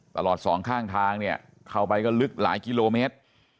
สองข้างทางเนี่ยเข้าไปก็ลึกหลายกิโลเมตร